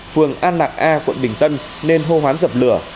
phường an lạc a quận bình tân nên hô hoán dập lửa